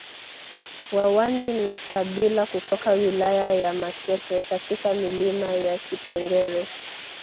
Wawanji ni kabila kutoka wilaya ya Makete katika milima ya Kipengere